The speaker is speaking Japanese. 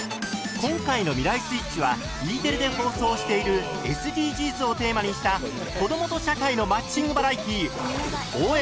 今回の「未来スイッチ」はＥテレで放送しているＳＤＧｓをテーマにした「子どもと社会のマッチングバラエティー応援！